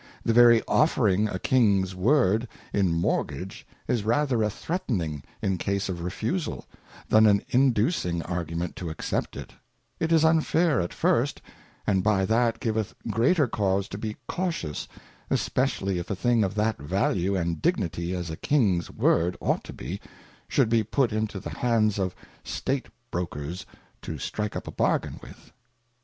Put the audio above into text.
The very offering a Kings Word in Mortgage is rather a threatning in case of refusal, than an inducing Argu ment to accept it; it is unfair at first, and by that giveth greater cause to be cautious, especially if a thing of that value and dignity as a Kings Word ought to be, should be put into the hands of State Brokers to strike up a Bargain with it.